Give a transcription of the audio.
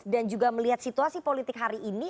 dan juga melihat situasi politik hari ini